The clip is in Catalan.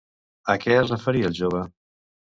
A què es referia el jove?